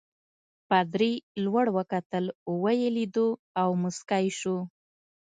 پادري لوړ وکتل ویې لیدو او مسکی شو.